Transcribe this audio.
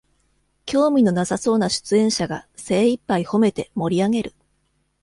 興味のなさそうな出演者が精いっぱいほめて盛りあげる